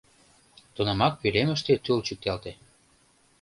Тунамак пӧлемыште тул чӱкталте.